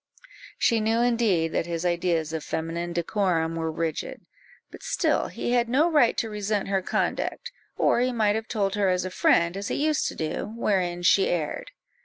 She knew indeed that his ideas of feminine decorum were rigid; but still he had no right to resent her conduct, or he might have told her as a friend, as he used to do, wherein she erred.